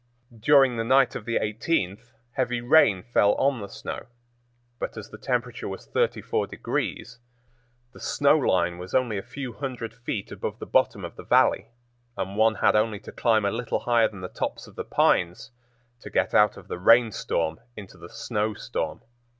During the night of the 18th heavy rain fell on the snow, but as the temperature was 34 degrees, the snow line was only a few hundred feet above the bottom of the Valley, and one had only to climb a little higher than the tops of the pines to get out of the rain storm into the snow storm.